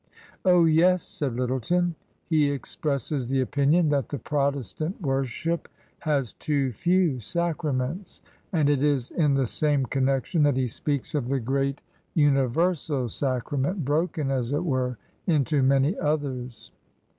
" Oh, yes," said L)^tleton. " He expresses the opinion that the Protestant worship has too few sacraments ; and it is in the same connection that he speaks of the great TRANSITION. 51 universal sacrament, broken, as it were, into many others."